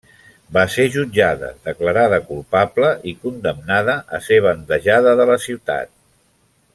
Va ser jutjada, declarada culpable i condemnada a ser bandejada de la ciutat.